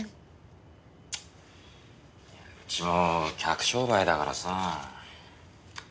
うちも客商売だからさぁ。